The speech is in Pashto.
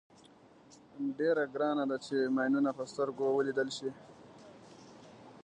ډېره ګرانه ده چې ماینونه په سترګو ولیدل شي.